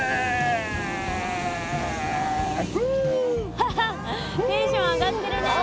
ハハテンション上がってるね。